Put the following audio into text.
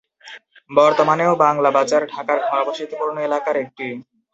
বর্তমানেও বাংলা বাজার ঢাকার ঘনবসতিপূর্ণ এলাকার একটি।